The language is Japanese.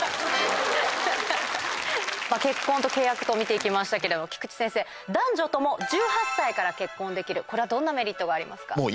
結婚と契約と見て行きましたけど菊地先生男女とも１８歳から結婚できるどんなメリットがありますか？